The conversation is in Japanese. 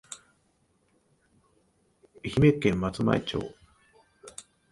愛媛県松前町